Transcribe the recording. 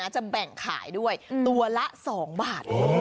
จะแบ่งขายด้วยตัวละ๒บาท